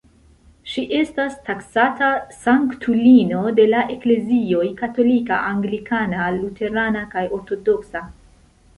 Ŝi estas taksata sanktulino de la eklezioj katolika, anglikana, luterana kaj ortodoksa.